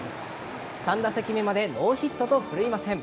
３打席目までノーヒットと奮いません。